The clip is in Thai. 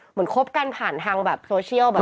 เหมือนคบกันผ่านทางแบบโซเชียล